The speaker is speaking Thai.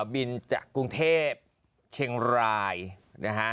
บินจากกรุงเทพเชียงรายนะฮะ